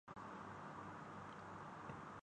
عراق پہ حملہ ہوتا ہے۔